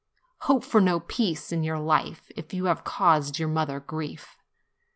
Hope for no peace in your life, if you have caused your mother grief.